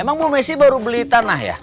emang bu messi baru beli tanah ya